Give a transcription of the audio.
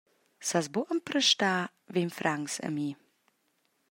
Sas buca empristar vegn francs a mi?